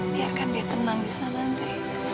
biarkan dia tenang di sana andre